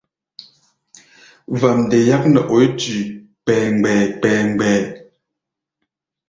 Vamde yák nɛ oí tui kpɛɛmgbɛɛ-kpɛɛmgbɛɛ.